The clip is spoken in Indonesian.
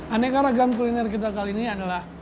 aneka ragam kuliner kita kali ini adalah